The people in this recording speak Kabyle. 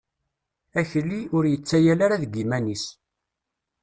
Akli, ur yettayal ara deg yiman-is.